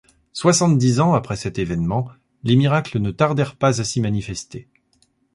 Soixante dix ans après cet événement les miracles ne tardèrent pas à s'y manifester.